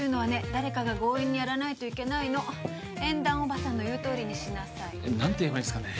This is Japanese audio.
誰かが強引にやらないといけないの縁談おばさんの言うとおりにしなさい何て言えばいいんですかね？